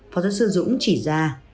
phó giáo sư dũng chỉ ra